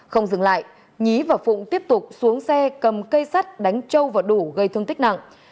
không dừng lại nhí và phụng tiếp tục xuống xe cầm cây sắt đánh châu và đủ gây thương tích nặng